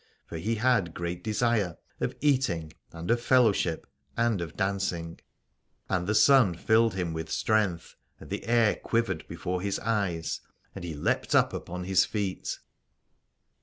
For he had great desire of eating and of fellowship and of dancing : and the sun filled him with strength and the air quiv ered before his eyes, and he leaped up upon his feet.